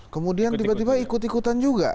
kemudian tiba tiba ikut ikutan juga